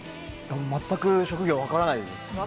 全く職業わからないです。